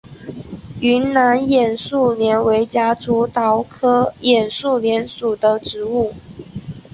云南眼树莲为夹竹桃科眼树莲属的植物。